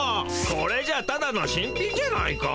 これじゃあただの新品じゃないか。